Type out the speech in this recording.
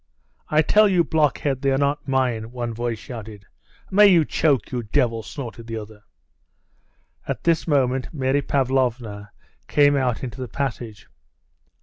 "I tell you, blockhead, they are not mine," one voice shouted. "May you choke, you devil," snorted the other. At this moment Mary Pavlovna came out into the passage.